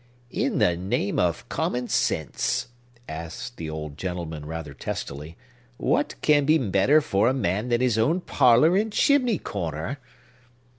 "In the name of common sense," asked the old gentleman rather testily, "what can be better for a man than his own parlor and chimney corner?"